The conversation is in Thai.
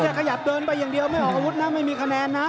ขยับเดินไปอย่างเดียวไม่ออกอาวุธนะไม่มีคะแนนนะ